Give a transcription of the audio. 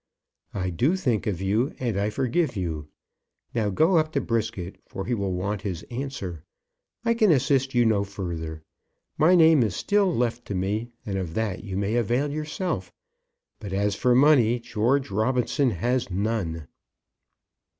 "I do think of you, and I forgive you. Now go up to Brisket, for he will want his answer. I can assist you no further. My name is still left to me, and of that you may avail yourself. But as for money, George Robinson has none."